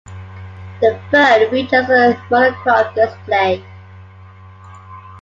The phone features a monochrome display.